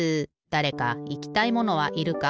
だれかいきたいものはいるか？